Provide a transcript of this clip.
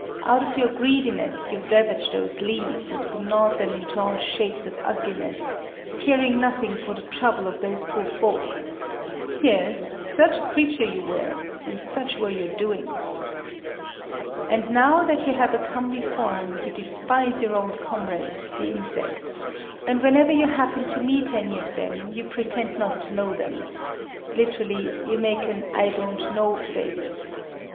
Out of your greediness you ravaged those leaves, and gnawed them into all shapes of ugliness,—caring nothing for the trouble of those poor folk... Yes, such a creature you were, and such were your doings. "And now that you have a comely form, you despise your old comrades, the insects; and, whenever you happen to meet any of them, you pretend not to know them [literally, 'You make an I don't know face'].